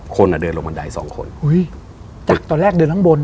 คนเดินลงบันได๒คน